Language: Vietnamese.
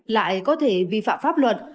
lại có thể vi phạm pháp luật